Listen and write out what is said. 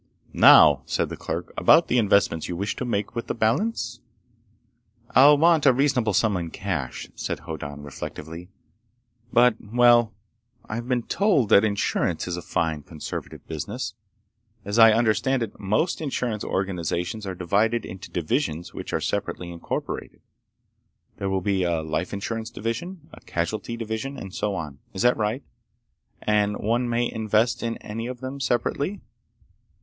"Now," said the clerk, "about the investments you wish to make with the balance?" "I'll want a reasonable sum in cash," said Hoddan reflectively. "But.... well ... I've been told that insurance is a fine, conservative business. As I understand it, most insurance organizations are divided into divisions which are separately incorporated. There will be a life insurance division, a casualty division, and so on. Is that right? And one may invest in any of them separately?"